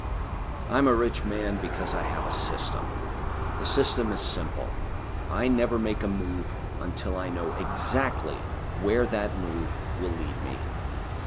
I'm a rich man because I have a system. The system is simple: I never make a move until I know exactly where that move will lead me.